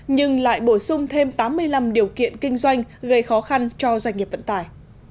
nhưng lại bổ sung thêm tám mươi năm điều kiện kinh doanh gây khó khăn cho doanh nghiệp vận tải